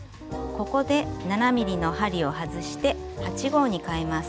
ここで７ｍｍの針を外して８／０号にかえます。